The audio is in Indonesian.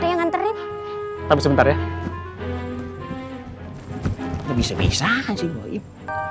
nganterin tapi sebentar ya bisa bisa sih